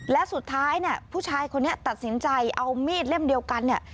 และสุดท้ายผู้ชายคนนี้ตัดสินใจเอามีดเล่มเดียวกัน